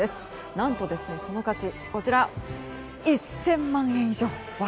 何とその価値１０００万円以上。